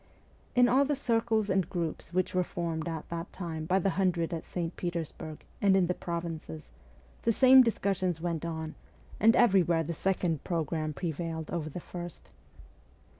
In all the circles and groups which w r ere formed at that time by the hundred at St. Petersburg and in the provinces the same discussions went on, and everywhere the second programme prevailed over the first.